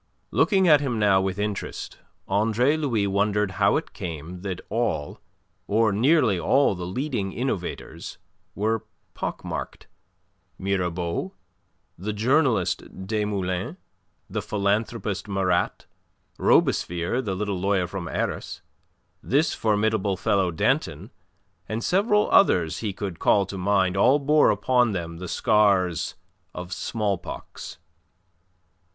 Looking at him now with interest, Andre Louis wondered how it came that all, or nearly all the leading innovators, were pock marked. Mirabeau, the journalist Desmoulins, the philanthropist Marat, Robespierre the little lawyer from Arras, this formidable fellow Danton, and several others he could call to mind all bore upon them the scars of smallpox.